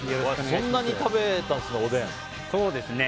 そんなに食べたんですか？